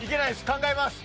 考えます。